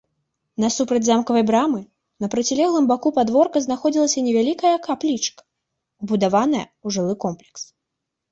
Насупраць замкавай брамы, на процілеглым баку падворка знаходзілася невялікая каплічка, убудаваная ў жылы корпус.